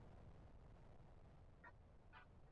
matajiri ambao wanamiliki nyumba za kifahari nchini Uturuki